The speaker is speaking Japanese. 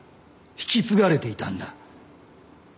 引き継がれていた？